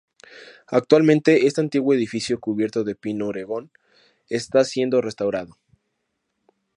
Actualmente este antiguo edificio cubierto de pino oregón está siendo restaurado.